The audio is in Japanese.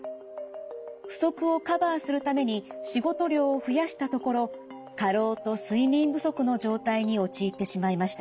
不足をカバーするために仕事量を増やしたところ過労と睡眠不足の状態に陥ってしまいました。